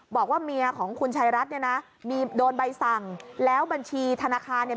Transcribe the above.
บอกว่าเมียของคุณชายรัฐเนี่ยนะมีโดนใบสั่งแล้วบัญชีธนาคารเนี่ย